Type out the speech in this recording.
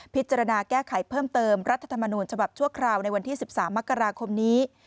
พิจารณาแก้ไขเพิ่มเติมรัฐธรรมนูญฉบับชั่วคราวในวันที่๑๓มกราคมนี้